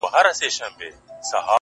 د خپل جېبه د سگريټو يوه نوې قطۍ وا کړه!!